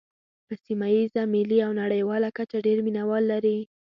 په سیمه ییزه، ملي او نړیواله کچه ډېر مینوال لري.